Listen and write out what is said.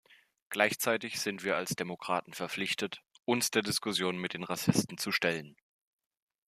Gleichzeitig sind wir als Demokraten verpflichtet, uns der Diskussion mit den Rassisten zu stellen.